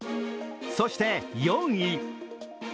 そして４位。